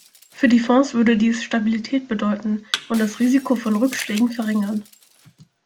Für die Fonds würde dies Stabilität bedeuten und das Risiko von Rückschlägen verringern.